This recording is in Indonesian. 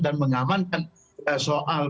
dan mengamankan soal